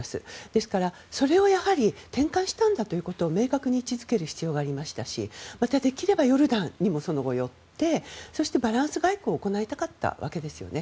ですから、それをやはり転換したんだということを明確に位置付ける必要がありましたしまた、できればヨルダンにもその後、寄ってそしてバランス外交を行いたかったわけですよね。